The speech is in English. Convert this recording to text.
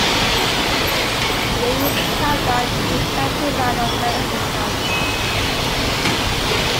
The east town line is the county line of Madison County.